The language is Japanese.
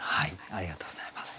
ありがとうございます。